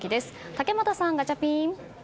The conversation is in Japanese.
竹俣さん、ガチャピン。